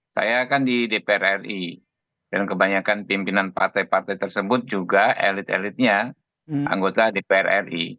saya kan di dpr ri dan kebanyakan pimpinan partai partai tersebut juga elit elitnya anggota dpr ri